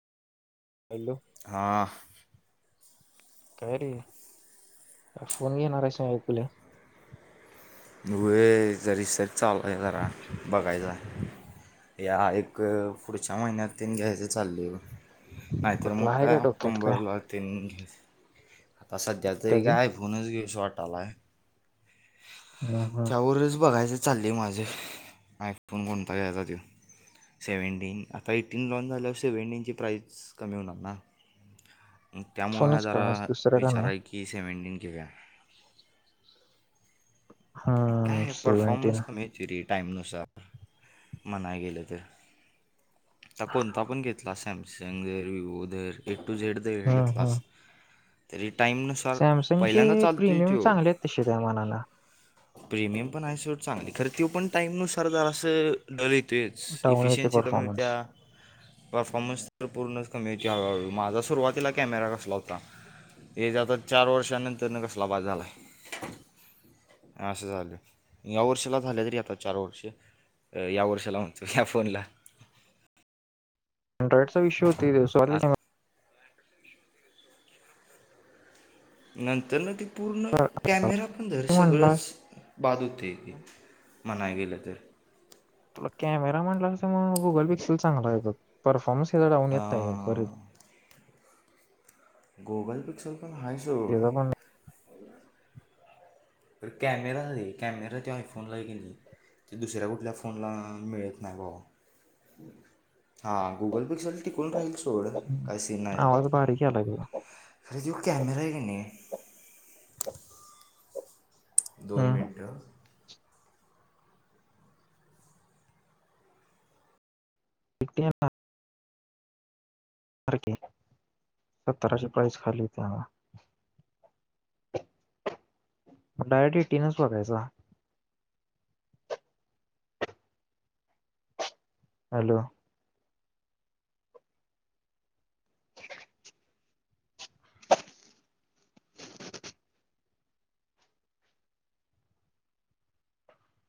Hello हा. काय रे? फोन येणार आहे असं ऐकलं. वय जरिसर चालूहाय जरा बघायचा. या एक पुढच्या महिन्यात तीन घॅयचं चाललय. नाही तर मग कुठला आहे काय डोक्यात काय ऑक्टोंबरला तीन घ्या तसं त्याचंही कधी काय फोनच घेवू शी वाटालाय. हम्म हम्म त्यावरच बघायच चाललंय माझं. आयफोन कोणता घ्यायचा ते. सेव्हेन्टीन आता एट्टीन लाॉन झाल्यावर सेव्हेन्टीनची प्राइज कमी होणार ना. [inaudible] त्यामुळे हा फोनच का जरा आज दुसरं का विचार नाही आहे की, सेव्हेन्टीन घेऊया. हम्म काये सेव्हन्टीन परफॉर्मन्स कमी हायती रे. टाईमनुसार म्हणाय गेलं तर तर कोणता पण घेतला सॅम संग व्हिओ तर ए टू झेड तर हम्म हम्म घेतलास तरी टाईम नुसार पहिल्यांदा सॅमसंगचे चाल तोय प्रीमियम त्यो. चांगले आहेत तसे त्या मनाला प्रिमियम पण आहे सोड चांगली खरं. तो पण टाईम नुसार जरासं डरेट तेच डाऊन येते इफिशियन्सी कमी होत्या, परफॉर्मन्स परफॉर्मन्स तर पूर्णच कमी हळूहळू माझा सुरुवातीला कॅमेरा कसला होता. हे जातात चार वर्षानंतर न कसला बाद झालाय. असं झालं या वर्षीला झालं तरी आता चार वर्षे. या वर्षाला म्हणतो या फोनला. अंड्राईडचा चा विषय हुतोय तो नंतर न ती पूर्ण कॅमेरा पण धर, म्हणला सगळंच बाद होतंय ते. म्हणाय गेलं तर तुला कॅमेरा म्हणला असं मग गुगल पिक्सल चांगला येतो परफॉर्मन्स [unintelligible] येताय ये बर अं, गुगल पिक्सल पण हाय सोर त्याचा पण [inaudible] कॅमेरा रे कॅमेरा ते आयफोनलाय कि नही? ते दुसऱ्या कुठल्या फोनला मिळत नाही बाबा. [inaudible] हा गुगल पिक्सल टिकून राहील सोड, नाही. काय सीन नाही आवाज यात. बारीक यायलाय खरंज ह्यो कॅमराय कि नय दोन तुझा मिनटं अं. [unintelligible] ना [unintelligible] सत्तराची प्राइस खाली येते. डायरेक्ट एटीनाच शोधायचा. [inaudible] हॅलो.